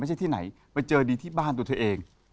ที่ไหนไปเจอดีที่บ้านตัวเธอเอง